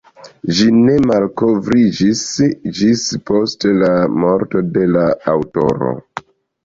Ĝi ne malkovriĝis ĝis post la morto de la aŭtoro.